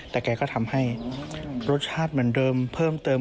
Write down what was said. แต่แกก็ทำให้รสชาติเหมือนเดิมเพิ่มเติม